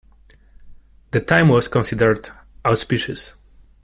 The time was considered auspicious.